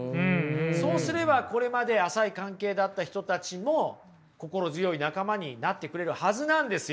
そうすればこれまで浅い関係だった人たちも心強い仲間になってくれるはずなんですよ。